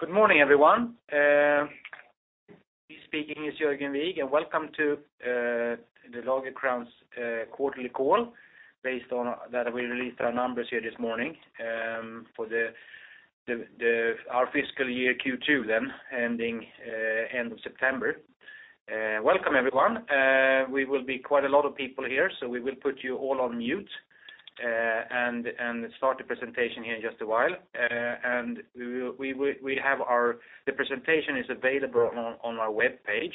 Good morning, everyone. Speaking is Jörgen Wigh. Welcome to the Lagercrantz quarterly call based on that we released our numbers here this morning for our fiscal year Q2 then ending end of September. Welcome everyone. We will be quite a lot of people here, so we will put you all on mute and start the presentation here in just a while. The presentation is available on our webpage.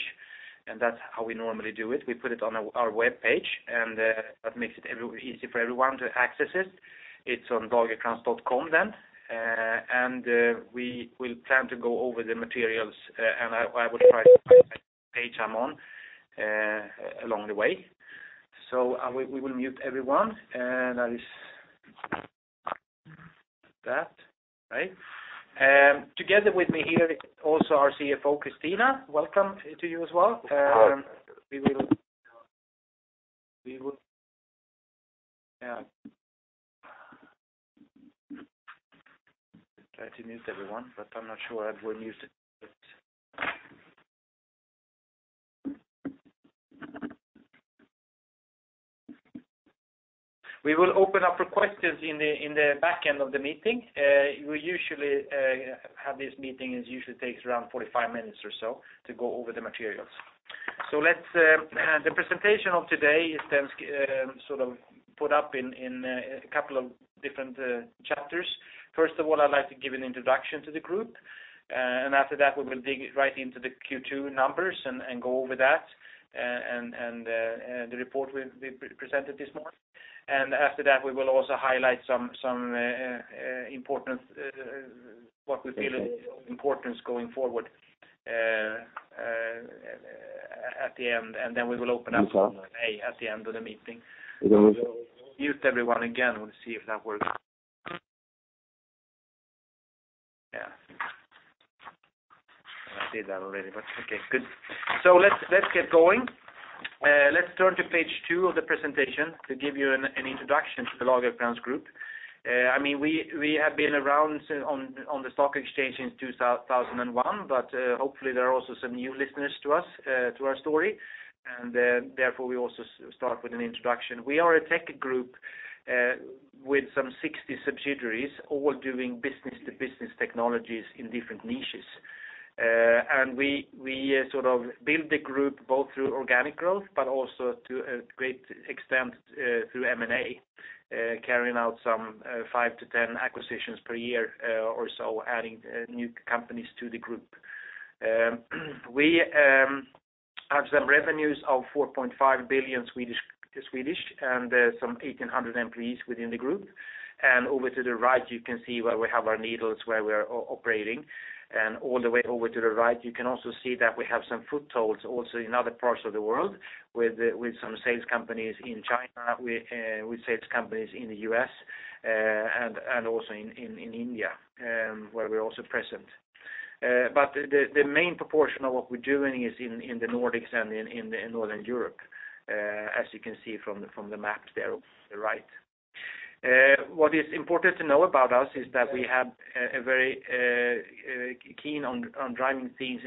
That's how we normally do it. We put it on our webpage. That makes it easy for everyone to access it. It's on lagercrantz.com then. We will plan to go over the materials, and I will try to page along the way. We will mute everyone, and that is that, right? Together with me here, also our CFO, Kristina. Welcome to you as well. Hi. We will try to mute everyone, but I'm not sure everyone muted. We will open up for questions in the back end of the meeting. We usually have this meeting, it usually takes around 45 minutes or so to go over the materials. The presentation of today is put up in a couple of different chapters. First of all, I'd like to give an introduction to the group. After that, we will dig right into the Q2 numbers and go over that and the report we presented this morning. After that, we will also highlight what we feel is important going forward at the end, and then we will open up for Q&A at the end of the meeting. Mute everyone again. We'll see if that works. Yeah. I did that already, but okay, good. Let's get going. Let's turn to page two of the presentation to give you an introduction to the Lagercrantz Group. We have been around on the Stockholm Stock Exchange since 2001, hopefully, there are also some new listeners to us, to our story. Therefore, we also start with an introduction. We are a tech group with some 60 subsidiaries, all doing business-to-business technologies in different niches. We build the group both through organic growth, also to a great extent, through M&A, carrying out some 5-10 acquisitions per year or so, adding new companies to the group. We have some revenues of 4.5 billion and some 1,800 employees within the group. Over to the right, you can see where we have our needles, where we are operating. All the way over to the right, you can also see that we have some footholds also in other parts of the world with some sales companies in China, with sales companies in the U.S., and also in India, where we're also present. The main proportion of what we're doing is in the Nordics and in Northern Europe, as you can see from the map there on the right. What is important to know about us is that we are very keen on driving things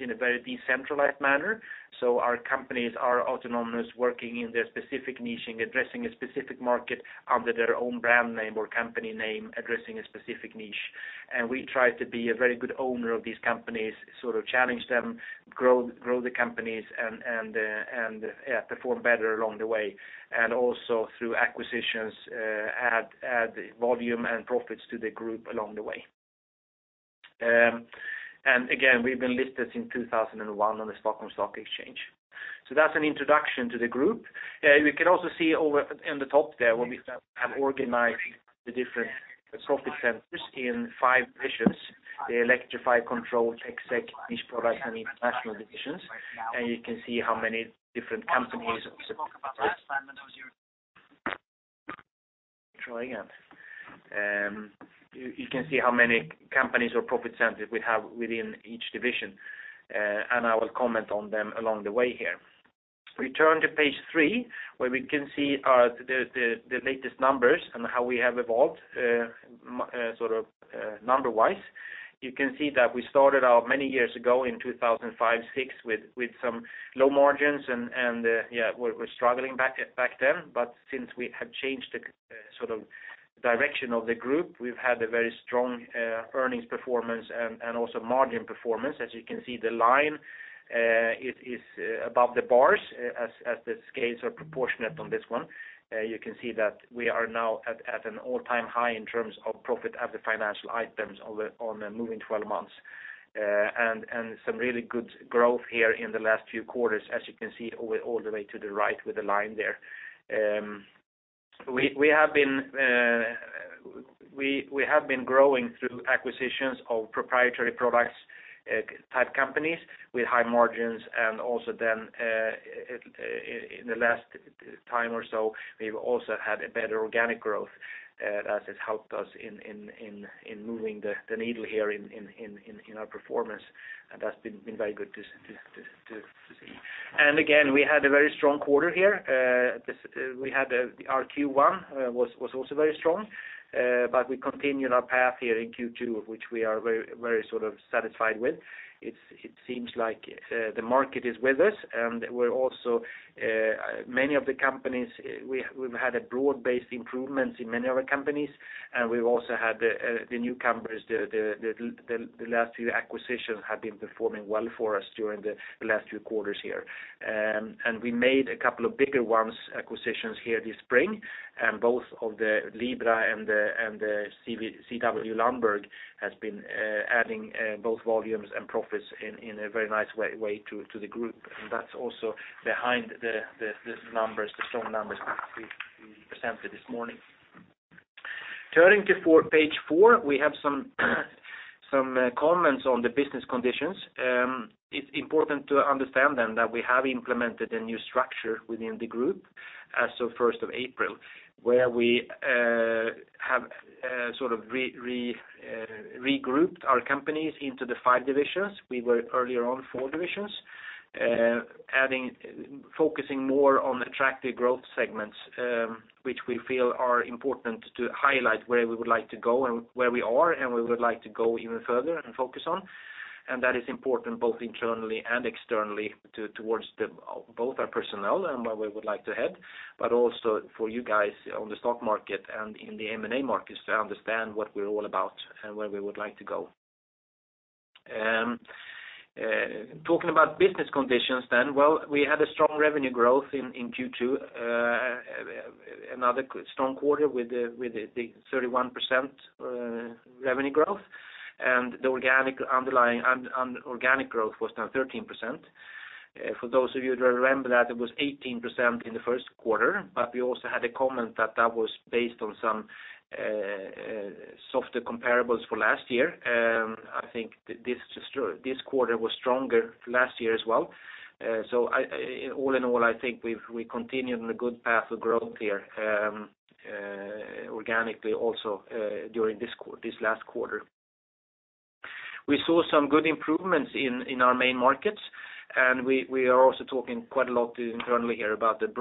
in a very decentralized manner. Our companies are autonomous, working in their specific niche and addressing a specific market under their own brand name or company name, addressing a specific niche. We try to be a very good owner of these companies, challenge them, grow the companies, and perform better along the way. Through acquisitions, add volume and profits to the group along the way. We've been listed since 2001 on the Stockholm Stock Exchange. That's an introduction to the group. You can also see over in the top there where we have organized the different profit centers in five divisions, the Electrify, Control, TecSec, Niche Products, and International divisions. You can see how many companies or profit centers we have within each division. I will comment on them along the way here. Turn to page three, where we can see the latest numbers and how we have evolved number wise. You can see that we started out many years ago in 2005/2006 with some low margins and were struggling back then. Since we have changed the direction of the Group, we've had a very strong earnings performance and also margin performance. As you can see, the line is above the bars as the scales are proportionate on this one. You can see that we are now at an all-time high in terms of profit of the financial items on a moving 12 months. Some really good growth here in the last few quarters, as you can see all the way to the right with the line there. We have been growing through acquisitions of proprietary products type companies with high margins, and also then in the last time or so, we've also had a better organic growth that has helped us in moving the needle here in our performance. That's been very good to see. Again, we had a very strong quarter here. Our Q1 was also very strong, but we continued our path here in Q2, which we are very satisfied with. It seems like the market is with us, and we've had broad-based improvements in many of our companies. We've also had the newcomers, the last few acquisitions have been performing well for us during the last few quarters here. We made a couple of bigger ones, acquisitions here this spring, and both of the Libra-Plast and the CW Lundberg has been adding both volumes and profits in a very nice way to the group. That's also behind these numbers, the strong numbers that we presented this morning. Turning to page four, we have some comments on the business conditions. It's important to understand that we have implemented a new structure within the Group as of 1st of April, where we have regrouped our companies into the five divisions. We were earlier on four divisions, focusing more on attractive growth segments, which we feel are important to highlight where we would like to go and where we are, and we would like to go even further and focus on. That is important both internally and externally towards both our personnel and where we would like to head, but also for you guys on the stock market and in the M&A markets to understand what we're all about and where we would like to go. Talking about business conditions, then, well, we had a strong revenue growth in Q2. Another strong quarter with the 31% revenue growth, and the organic underlying and organic growth was now 13%. For those of you who remember that, it was 18% in the first quarter, but we also had a comment that that was based on some softer comparables for last year. I think this quarter was stronger last year as well. All in all, I think we continued on a good path of growth here, organically also, during this last quarter. We saw some good improvements in our main markets, and we are also talking quite a lot internally here about it's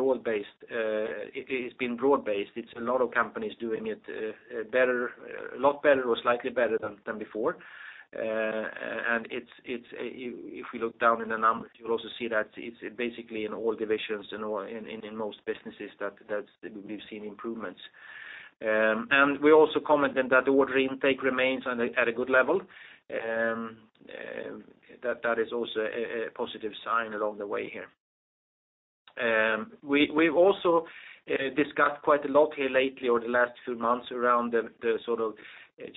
been broad-based. It's a lot of companies doing it a lot better or slightly better than before. If we look down in the numbers, you'll also see that it's basically in all divisions, in most businesses that we've seen improvements. We also commented that the order intake remains at a good level. That is also a positive sign along the way here. We've also discussed quite a lot here lately over the last few months around the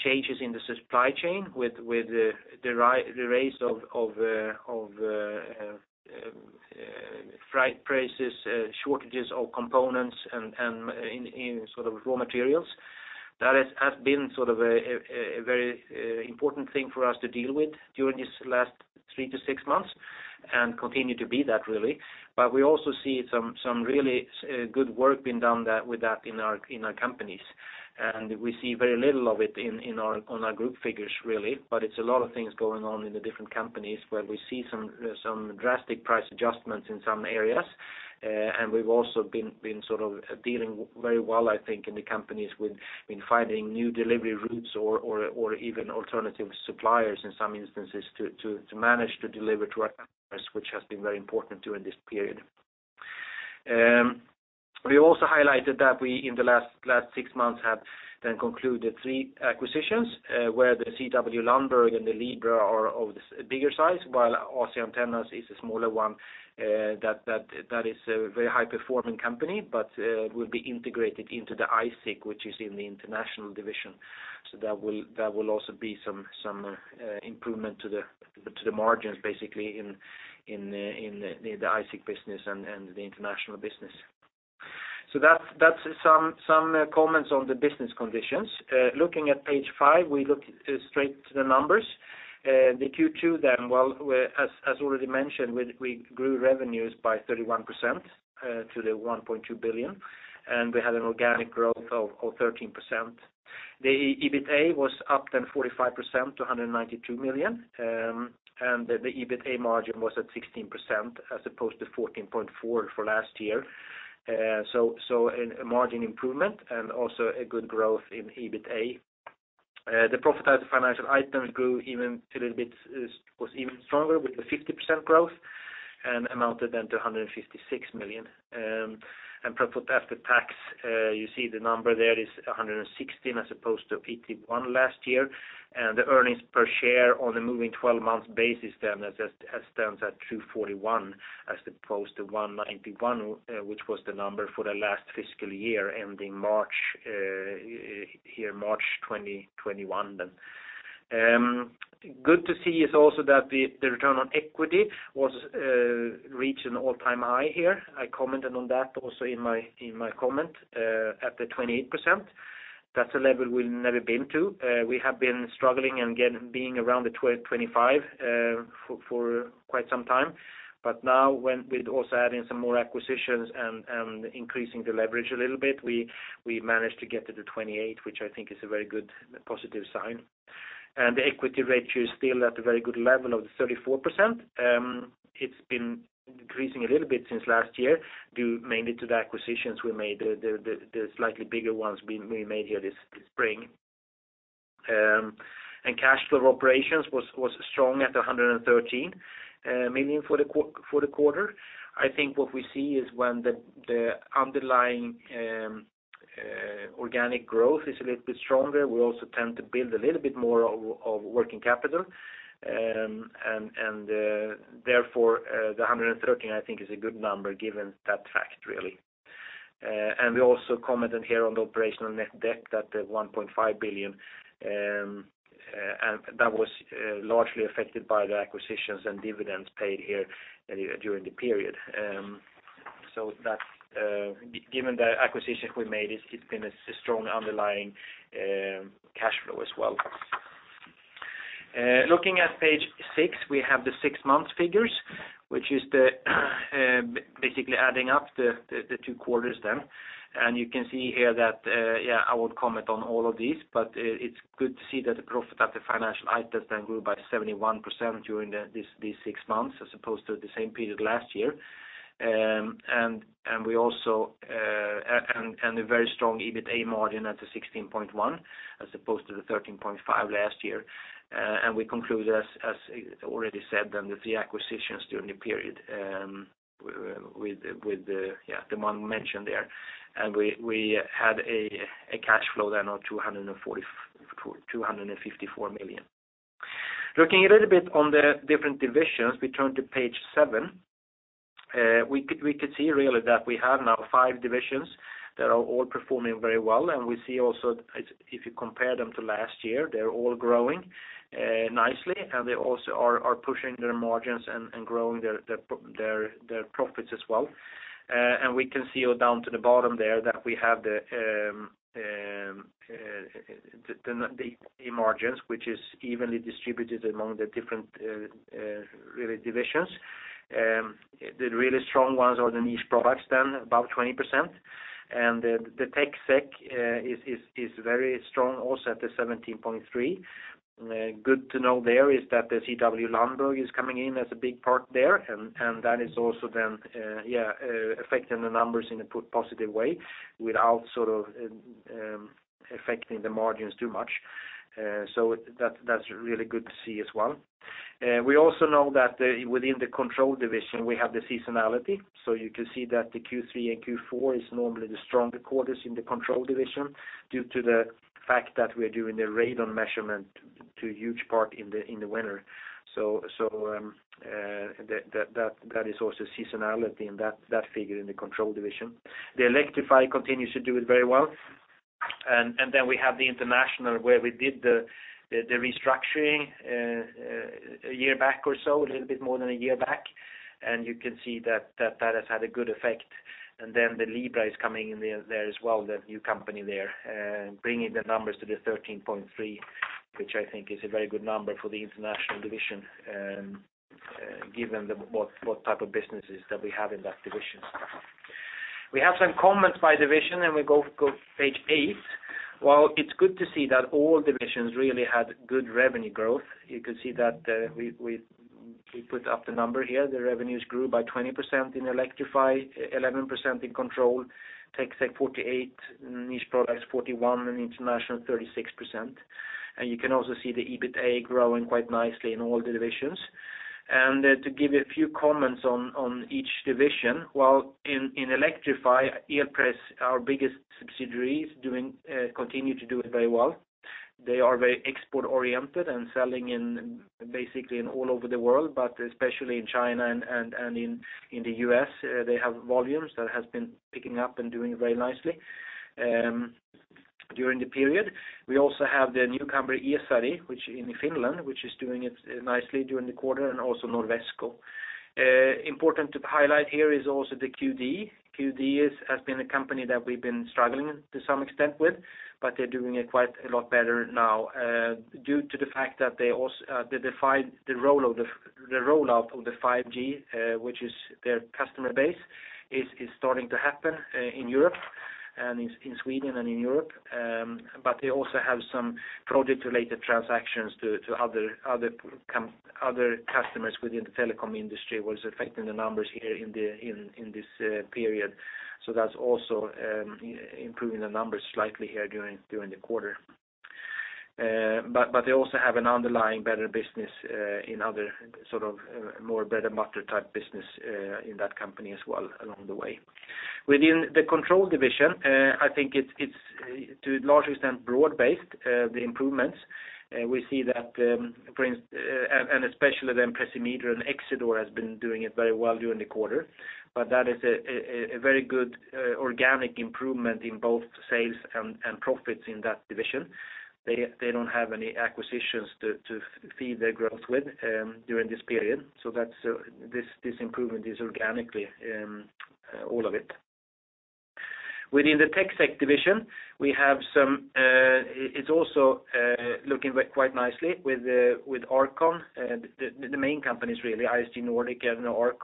changes in the supply chain with the rise of freight prices, shortages of components, and in raw materials. That has been a very important thing for us to deal with during these last three to six months, and continue to be that, really. We also see some really good work being done with that in our companies. We see very little of it on our group figures, really, but it's a lot of things going on in the different companies where we see some drastic price adjustments in some areas. We've also been dealing very well, I think, in the companies with finding new delivery routes or even alternative suppliers in some instances to manage to deliver to our customers, which has been very important during this period. We also highlighted that we, in the last six months, have then concluded three acquisitions. The CW Lundberg and the Libra-Plast are of the bigger size, while AC Antennas is a smaller one. That is a very high-performing company, but will be integrated into the ISIC, which is in the International division. That will also be some improvement to the margins, basically in the ISIC business and the International business. That's some comments on the business conditions. Looking at page five, we look straight to the numbers. The Q2 then, as already mentioned, we grew revenues by 31% to 1.2 billion. We had an organic growth of 13%. The EBITDA was up then 45% to 192 million. The EBITDA margin was at 16%, as opposed to 14.4% for last year. A margin improvement and also a good growth in EBITDA. The profit after financial items was even stronger with a 50% growth and amounted then to 156 million. Profit after tax, you see the number there is 116 million as opposed to 81 million last year. The earnings per share on a moving 12 months basis then stands at 2.41 as opposed to 1.91, which was the number for the last fiscal year ending March 2021 then. Good to see is also that the return on equity reached an all-time high here. I commented on that also in my comment at the 28%. That's a level we've never been to. We have been struggling and again, being around the 25% for quite some time. Now with also adding some more acquisitions and increasing the leverage a little bit, we managed to get to the 28%, which I think is a very good positive sign. The equity ratio is still at a very good level of 34%. It's been increasing a little bit since last year, due mainly to the acquisitions we made, the slightly bigger ones we made here this spring. Cash flow operations was strong at 113 million for the quarter. I think what we see is when the underlying organic growth is a little bit stronger, we also tend to build a little bit more of working capital. Therefore, the 113 million, I think is a good number given that fact, really. We also commented here on the operational net debt at 1.5 billion, and that was largely affected by the acquisitions and dividends paid here during the period. Given the acquisition we made, it's been a strong underlying cash flow as well. Looking at page six, we have the six months figures, which is basically adding up the two quarters then. You can see here that, I won't comment on all of these, but it's good to see that the profit after financial items then grew by 71% during these six months as opposed to the same period last year. A very strong EBITDA margin at the 16.1% as opposed to the 13.5% last year. We conclude, as already said, then the three acquisitions during the period with the one mentioned there. We had a cash flow then of 254 million. Looking a little bit on the different divisions. We turn to page seven. We could see really that we have now five divisions that are all performing very well. We see also if you compare them to last year, they're all growing nicely, and they also are pushing their margins and growing their profits as well. We can see down to the bottom there that we have the margins, which is evenly distributed among the different divisions. The really strong ones are the Niche Products, above 20%. The TecSec is very strong also at 17.3%. Good to know there is that the CW Lundberg is coming in as a big part there, and that is also then affecting the numbers in a positive way without sort of affecting the margins too much. That's really good to see as well. We also know that within the Control division, we have the seasonality. You can see that the Q3 and Q4 is normally the stronger quarters in the Control division due to the fact that we are doing the radon measurement to a huge part in the winter. That is also seasonality in that figure in the Control division. The Electrify continues to do it very well. We have the International, where we did the restructuring a year back or so, a little bit more than a year back. You can see that has had a good effect. The Libra-Plast is coming in there as well, the new company there, bringing the numbers to the 13.3%, which I think is a very good number for the International division, given what type of businesses that we have in that division. We have some comments by division, and we go page eight. While it's good to see that all divisions really had good revenue growth, you can see that we put up the number here. The revenues grew by 20% in Electrify, 11% in Control. TecSec 48%, Niche Products 41%, and International 36%. You can also see the EBITDA growing quite nicely in all the divisions. To give a few comments on each division. While in Electrify, Elpress, our biggest subsidiary continue to do it very well. They are very export-oriented and selling basically all over the world, but especially in China and in the U.S., they have volumes that has been picking up and doing very nicely during the period. We also have the newcomer, Esari, which in Finland, which is doing it nicely during the quarter and also Norwesco. Important to highlight here is also the Cue Dee. Cue Dee has been a company that we've been struggling to some extent with, but they're doing it quite a lot better now due to the fact that the rollout of the 5G, which is their customer base, is starting to happen in Sweden and in Europe. They also have some project-related transactions to other customers within the telecom industry, which is affecting the numbers here in this period. That's also improving the numbers slightly here during the quarter. They also have an underlying better business in other sort of more bread-and-butter type business in that company as well along the way. Within the Control division, I think it's to a large extent broad-based, the improvements. We see that, especially then Precimeter and Excidor has been doing it very well during the quarter, that is a very good organic improvement in both sales and profits in that division. They don't have any acquisitions to feed their growth with during this period. This improvement is organically all of it. Within the TecSec division, it's also looking quite nicely with ARAS. The main company is really ISG Nordic and ARAS,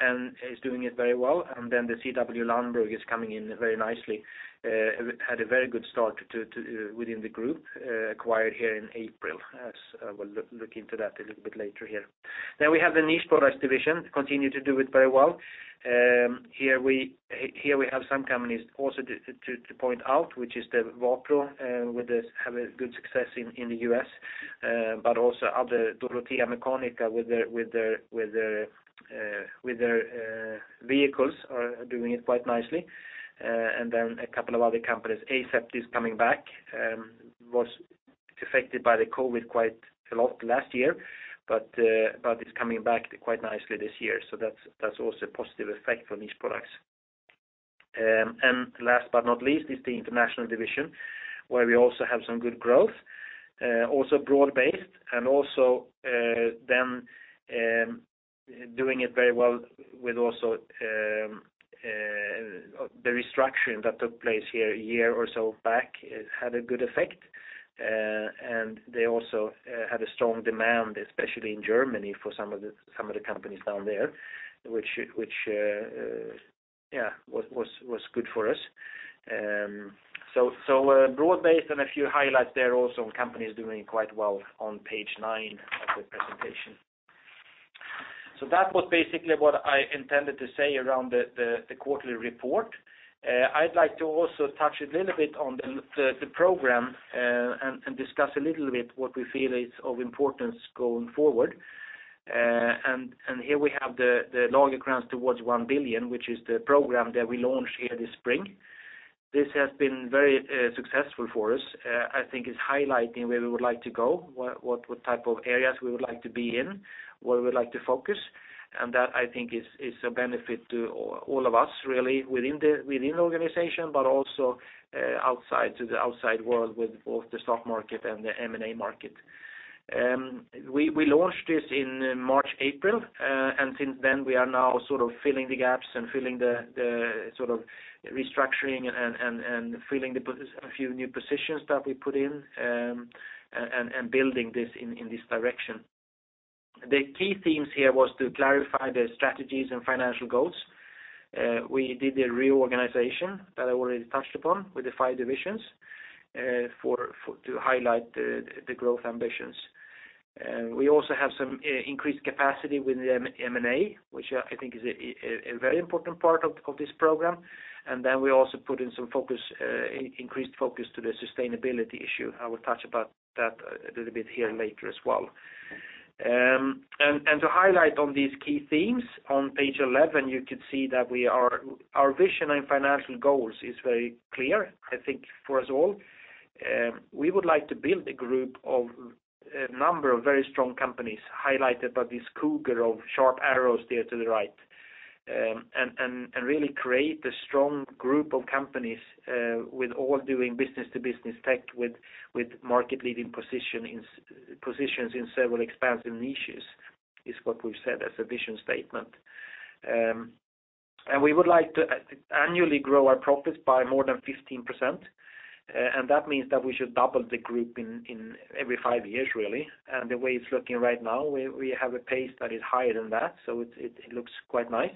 and is doing it very well. Then the CW Lundberg is coming in very nicely. Had a very good start within the group, acquired here in April, as we'll look into that a little bit later here. We have the Niche Products division, continue to do it very well. Here we have some companies also to point out, which is the Wapro, which have a good success in the U.S., but also other Dorotea Mekaniska with their vehicles are doing it quite nicely. A couple of other companies. Asept is coming back, was affected by the COVID quite a lot last year, but it's coming back quite nicely this year. That's also a positive effect from these products. Last but not least is the International division, where we also have some good growth, also broad-based and also then doing it very well with also the restructuring that took place here a year or so back had a good effect. They also had a strong demand, especially in Germany, for some of the companies down there, which was good for us. Broad-based and a few highlights there also, companies doing quite well on page nine of the presentation. That was basically what I intended to say around the quarterly report. I'd like to also touch a little bit on the program, and discuss a little bit what we feel is of importance going forward. Here we have the Lagercrantz towards one billion, which is the program that we launched here this spring. This has been very successful for us. I think is highlighting where we would like to go, what type of areas we would like to be in, where we would like to focus. That I think is a benefit to all of us really within the organization, but also to the outside world with both the stock market and the M&A market. We launched this in March, April, since then we are now sort of filling the gaps and filling the sort of restructuring and filling a few new positions that we put in, and building this in this direction. The key themes here was to clarify the strategies and financial goals. We did the reorganization that I already touched upon with the five divisions, to highlight the growth ambitions. We also have some increased capacity with the M&A, which I think is a very important part of this program. Then we also put in some increased focus to the sustainability issue. I will touch about that a little bit here later as well. To highlight on these key themes, on page 11, you can see that our vision and financial goals is very clear, I think, for us all. We would like to build a group of a number of very strong companies highlighted by this cougar of sharp arrows there to the right, and really create a strong group of companies with all doing business-to-business tech with market leading positions in several expansive niches, is what we've said as a vision statement. We would like to annually grow our profits by more than 15%, and that means that we should double the group in every five years, really. The way it's looking right now, we have a pace that is higher than that, so it looks quite nice.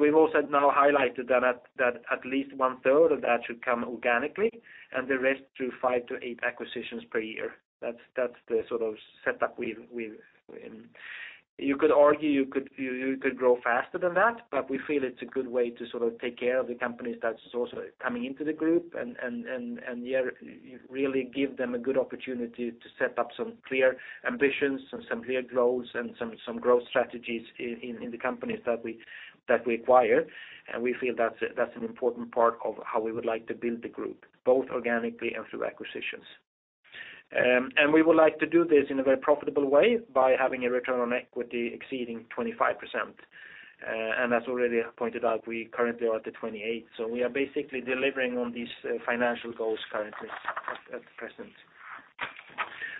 We've also now highlighted that at least 1/3 of that should come organically and the rest through five to eight acquisitions per year. That's the sort of setup. You could argue you could grow faster than that, but we feel it's a good way to sort of take care of the companies that's also coming into the group and you really give them a good opportunity to set up some clear ambitions and some clear goals and some growth strategies in the companies that we acquire. We feel that's an important part of how we would like to build the group, both organically and through acquisitions. We would like to do this in a very profitable way by having a return on equity exceeding 25%. As already pointed out, we currently are at the 28%. We are basically delivering on these financial goals currently at present.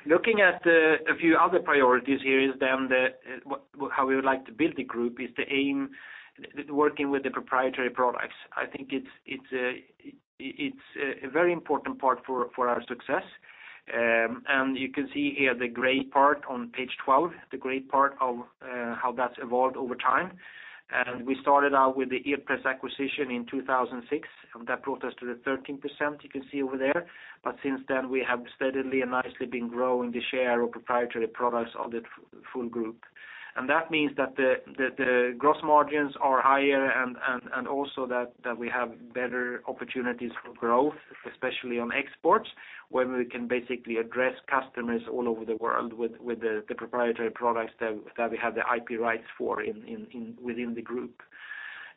Looking at a few other priorities here is then how we would like to build the group is the aim, working with the proprietary products. I think it's a very important part for our success. You can see here the gray part on page 12, the gray part of how that's evolved over time. We started out with the Elpress acquisition in 2006. That brought us to the 13% you can see over there. Since then, we have steadily and nicely been growing the share of proprietary products of the full group. That means that the gross margins are higher and also that we have better opportunities for growth, especially on exports, where we can basically address customers all over the world with the proprietary products that we have the IP rights for within the group.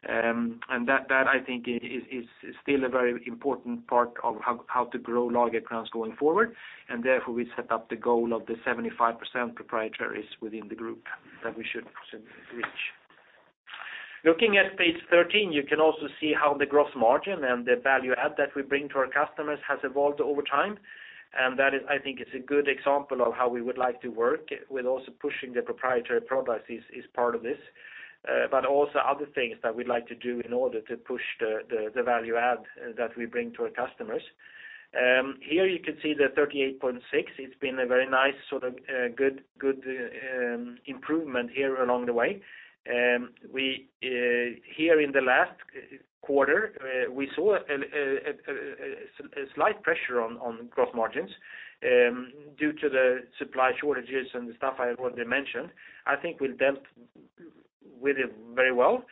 That I think is still a very important part of how to grow Lagercrantz going forward. Therefore we set up the goal of the 75% proprietaries within the group that we should soon reach. Looking at page 13, you can also see how the gross margin and the value add that we bring to our customers has evolved over time. That I think is a good example of how we would like to work with also pushing the proprietary products is part of this. Also other things that we'd like to do in order to push the value add that we bring to our customers. Here you can see the 38.6%. It's been a very nice sort of good improvement here along the way. Here in the last quarter, we saw a slight pressure on gross margins due to the supply shortages and the stuff I already mentioned. I think we then with it very well.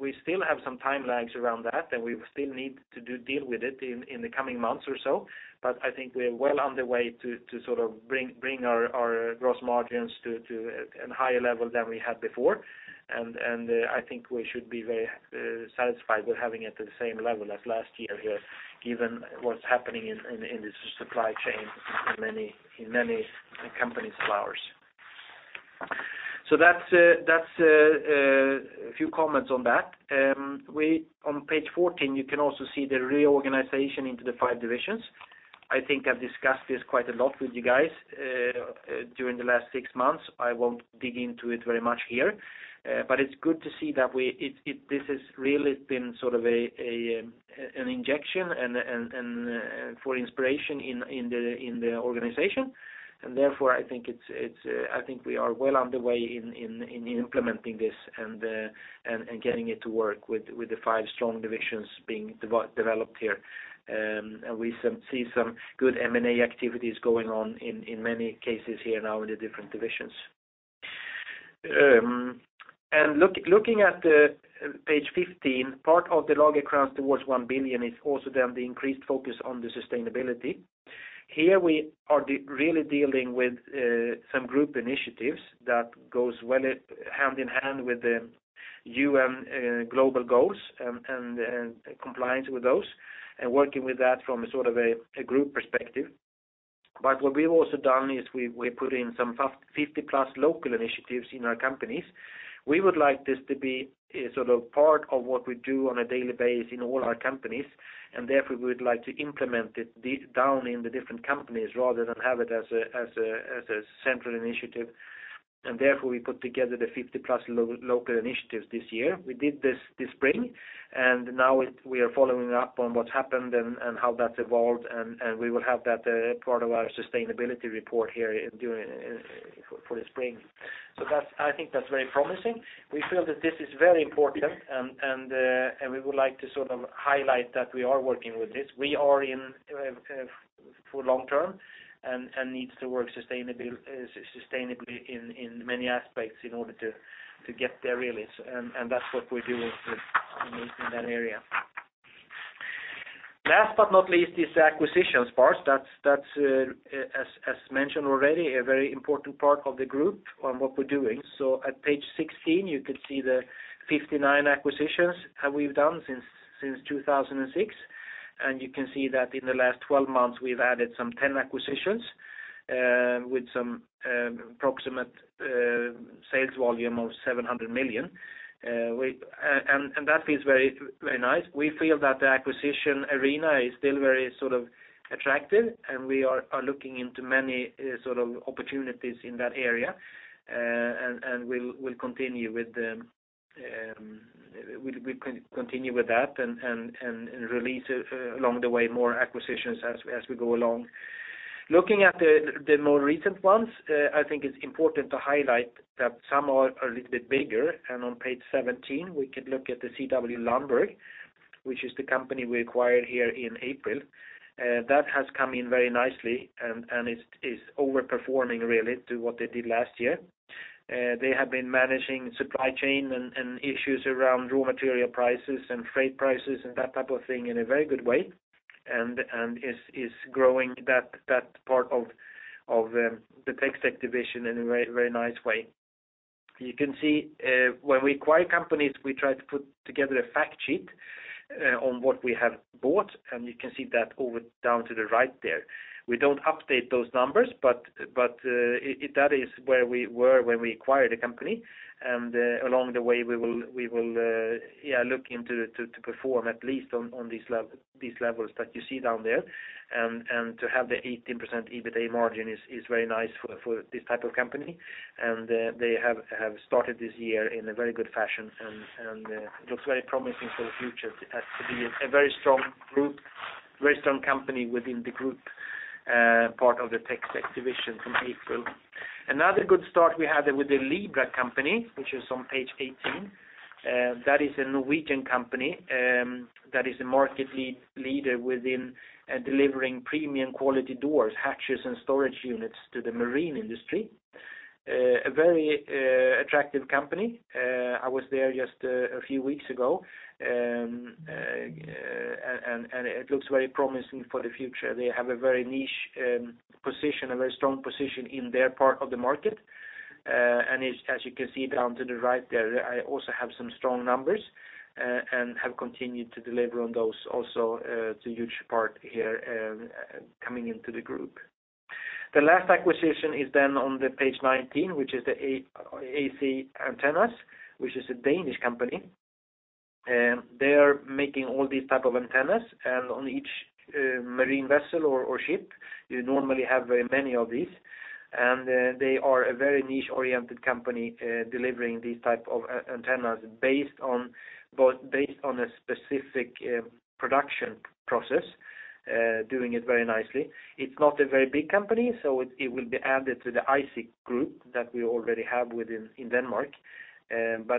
We still have some time lags around that, and we still need to deal with it in the coming months or so. I think we are well on the way to bring our gross margins to a higher level than we had before. I think we should be very satisfied with having it at the same level as last year here, given what's happening in the supply chain in many companies of ours. That's a few comments on that. On page 14, you can also see the reorganization into the five divisions. I think I've discussed this quite a lot with you guys during the last six months. I won't dig into it very much here. It's good to see that this has really been sort of an injection and for inspiration in the organization. I think we are well on the way in implementing this and getting it to work with the five strong divisions being developed here. We see some good M&A activities going on in many cases here now in the different divisions. Looking at page 15, part of the Lagercrantz towards 1 billion is also then the increased focus on the sustainability. Here we are really dealing with some group initiatives that goes hand-in-hand with the UN global goals and compliance with those and working with that from a group perspective. What we've also done is we put in some 50+ local initiatives in our companies. We would like this to be part of what we do on a daily basis in all our companies, and therefore we would like to implement it down in the different companies rather than have it as a central initiative. Therefore, we put together the 50+ local initiatives this year. We did this spring, and now we are following up on what's happened and how that's evolved, and we will have that part of our sustainability report here for the spring. I think that's very promising. We feel that this is very important, and we would like to highlight that we are working with this. We are in it for long term and need to work sustainably in many aspects in order to get there, really. That's what we're doing in that area. Last but not least is the acquisitions part. That's, as mentioned already, a very important part of the group on what we're doing. At page 16, you can see the 59 acquisitions we've done since 2006, and you can see that in the last 12 months, we've added some 10 acquisitions with some approximate sales volume of 700 million. That feels very nice. We feel that the acquisition arena is still very attractive, and we are looking into many opportunities in that area. We'll continue with that and release along the way more acquisitions as we go along. Looking at the more recent ones, I think it's important to highlight that some are a little bit bigger, and on page 17, we could look at the CW Lundberg, which is the company we acquired here in April. That has come in very nicely, and it is over-performing really to what they did last year. They have been managing supply chain and issues around raw material prices and freight prices and that type of thing in a very good way, and is growing that part of the TecSec division in a very nice way. You can see when we acquire companies, we try to put together a fact sheet on what we have bought, and you can see that over down to the right there. We don't update those numbers, but that is where we were when we acquired the company. Along the way, we will look into to perform at least on these levels that you see down there. To have the 18% EBITDA margin is very nice for this type of company. They have started this year in a very good fashion and looks very promising for the future as to be a very strong group, very strong company within the group, part of the TecSec division from April. Another good start we had with the Libra company, which is on page 18. That is a Norwegian company that is a market leader within delivering premium quality doors, hatches, and storage units to the marine industry. A very attractive company. I was there just a few weeks ago, and it looks very promising for the future. They have a very niche position, a very strong position in their part of the market. As you can see down to the right there, I also have some strong numbers and have continued to deliver on those also to huge part here coming into the group. The last acquisition is then on page 19, which is the AC Antennas, which is a Danish company. They are making all these type of antennas, and on each marine vessel or ship, you normally have very many of these. They are a very niche-oriented company delivering these type of antennas based on a specific production process, doing it very nicely. It is not a very big company, so it will be added to the ISIC Group that we already have within Denmark.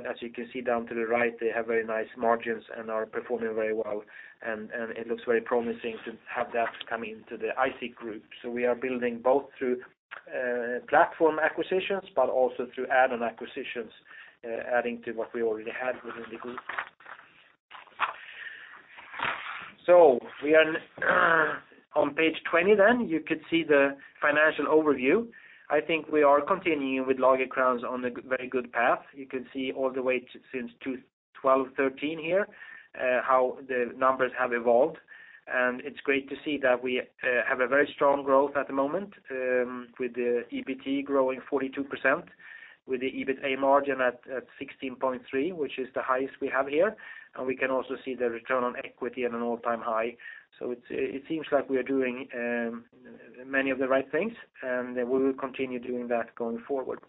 As you can see down to the right, they have very nice margins and are performing very well, and it looks very promising to have that come into the ISIC Group. We are building both through platform acquisitions, but also through add-on acquisitions, adding to what we already had within the group. We are on page 20 then. You could see the financial overview. I think we are continuing with Lagercrantz on a very good path. You can see all the way since 2012, 2013 here, how the numbers have evolved. It's great to see that we have a very strong growth at the moment, with the EBIT growing 42%, with the EBITDA margin at 16.3%, which is the highest we have here. We can also see the return on equity at an all-time high. It seems like we are doing many of the right things, and we will continue doing that going forward.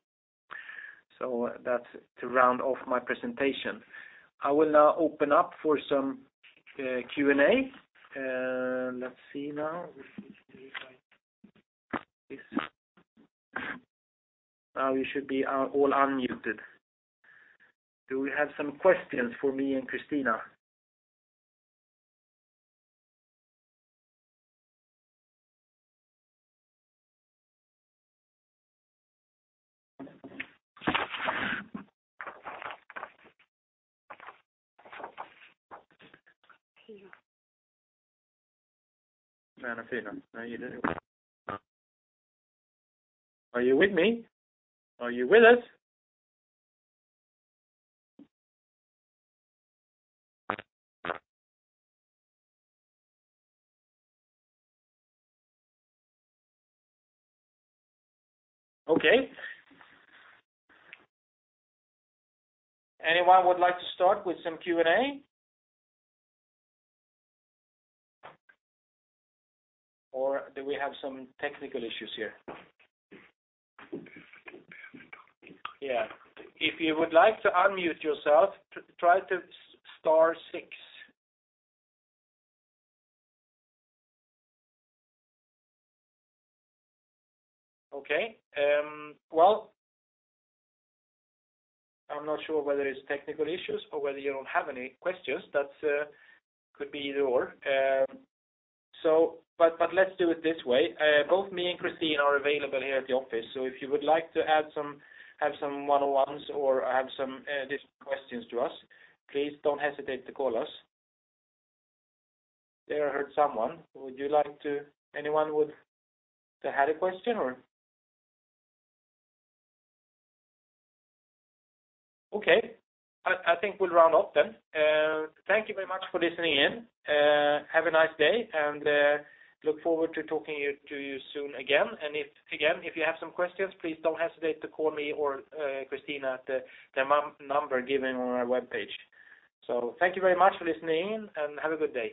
That's to round off my presentation. I will now open up for some Q&A. Let's see now. Now we should be all unmuted. Do we have some questions for me and Kristina? No, Kristina. No, you didn't. Are you with me? Are you with us? Okay. Anyone would like to start with some Q&A? Do we have some technical issues here? Yeah. If you would like to unmute yourself, try to star six. Okay. Well, I'm not sure whether it's technical issues or whether you don't have any questions. That could be either or. Let's do it this way. Both me and Kristina are available here at the office, so if you would like to have some one-on-ones or have some additional questions to us, please don't hesitate to call us. There, I heard someone. Anyone would have had a question, or? Okay. I think we'll round off then. Thank you very much for listening in. Have a nice day, look forward to talking to you soon again. Again, if you have some questions, please don't hesitate to call me or Kristina at the number given on our webpage. Thank you very much for listening in, and have a good day.